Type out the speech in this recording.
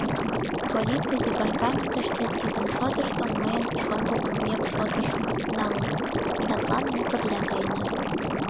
Полиций департаментыште тидын шотышто мыйын шоҥго улмем шотыш налыныт, садлан ме пырля каена.